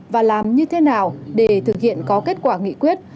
và làm như thế nào để thực hiện có kết quả nghị quyết